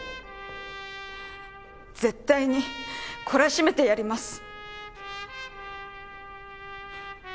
絶対に懲らしめてやります。